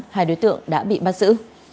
hai đối tượng đã bị bắt giữ